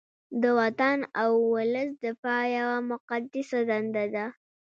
د وطن او ولس دفاع یوه مقدسه دنده ده